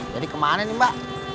jadi kemana nih mbak